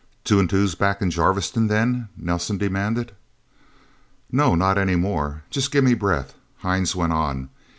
"Two and Two's back in Jarviston, then?" Nelsen demanded. "No not anymore just gimme breath," Hines went on.